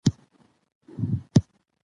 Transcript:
که کالي وي نو کرکټر نه ګډوډیږي.